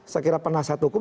saya kira penasihat hukum